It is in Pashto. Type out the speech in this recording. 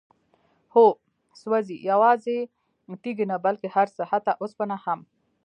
هو؛ سوزي، يوازي تيږي نه بلكي هرڅه، حتى اوسپنه هم